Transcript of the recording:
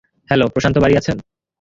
Hello, Prashanta বাড়ি আছেন?